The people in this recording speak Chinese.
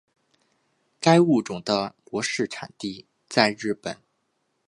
该物种的模式产地在日本。